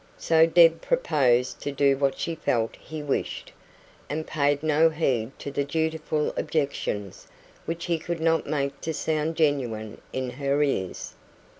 So Deb proposed to do what she felt he wished, and paid no heed to the dutiful objections which he could not make to sound genuine in her ears.